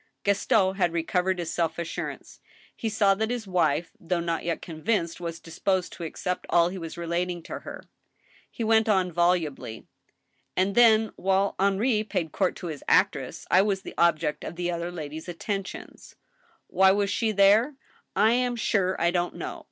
Gaston had recovered his self assurance. He saw that his wife, though not yet cqnvinced, was disposed to accept all he was relating to her. He went on volubly :" And then, while Henri paid court to his actress, I was the ob ject of the other lady's attentions. ... Why was she there ?... I am sure I don't know.